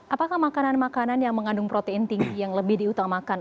apakah makanan makanan yang mengandung protein tinggi yang lebih diutamakan